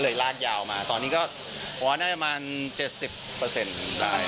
ก็เลยลากยาวมาตอนนี้ก็อ่อน่าจะประมาณ๗๐นะครับ